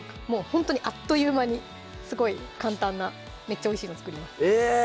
ほんとにあっという間にすごい簡単なめっちゃおいしいの作りますえ！